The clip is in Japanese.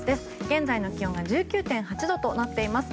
現在の気温は１９．８度となっています。